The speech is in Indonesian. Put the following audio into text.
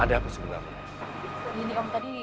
ada apa sebenarnya